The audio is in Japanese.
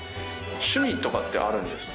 趣味とかってあるんですか？